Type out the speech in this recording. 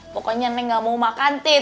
pokoknya neng gak mau makan tim